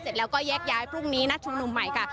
เสร็จแล้วก็แยกย้ายพรุ่งนี้นัดชุมนุมใหม่ค่ะ